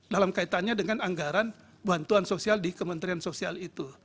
dalam kaitannya dengan anggaran bantuan sosial di kementerian sosial itu